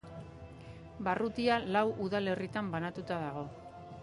Barrutiak lau udalerritan banatuta dago.